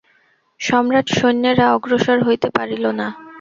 সম্রাটসৈন্যেরা অগ্রসর হইতে পারিল না।